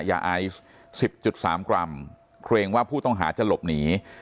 ยาไอซ์๑๐๓กรัมเกรงว่าผู้ต้องหาจะหลบหนี